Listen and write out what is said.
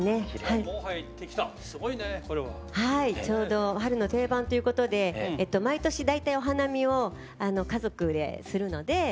ちょうど「春の定番」ということで毎年大体お花見を家族でするので。